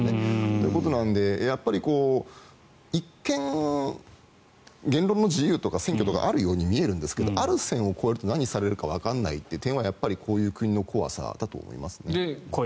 ということなので一見、言論の自由とか選挙とかあるように見えるんですがある線を越えると何されるかわからない点はこういう国の怖さだと思います。